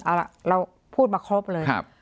เอาล่ะเราพูดมาครบเลย